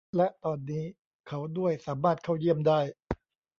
และตอนนี้เขาด้วยสามารถเข้าเยี่ยมได้